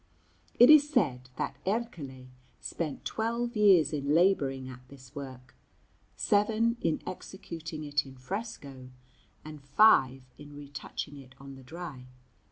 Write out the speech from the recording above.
It is said that Ercole spent twelve years in labouring at this work; seven in executing it in fresco, and five in retouching it on the dry.